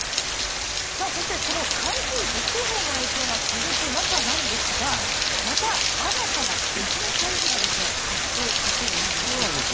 そしてこの台風６号の影響が続く中なんですがまた、新たな別の台風が発生しそうなんです。